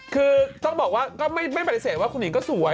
คือต้องบอกว่าก็ไม่ผลิตเศสว่าคนนี้ก็สวย